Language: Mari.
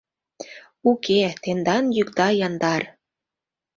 — Уке, тендан йӱкда яндар...